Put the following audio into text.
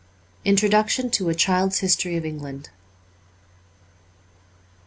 Inlrodiiction to ^ A Child's History of England.